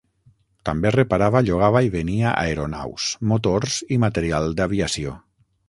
També reparava, llogava i venia aeronaus, motors i material d'aviació.